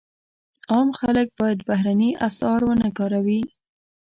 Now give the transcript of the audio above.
عام خلک باید بهرني اسعار ونه کاروي.